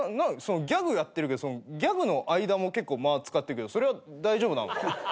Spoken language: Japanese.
ギャグやってるけどギャグの間も結構間使ってるけどそれは大丈夫なのか？